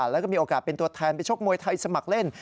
แล้วก็มีโอกาสเป็นตัวแทนไปชกมวยไทยสมัครเล่น